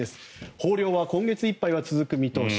豊漁は今月いっぱいは続く見通し